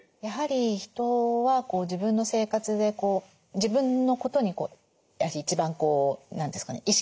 やはり人は自分の生活で自分のことに一番何て言うんですかね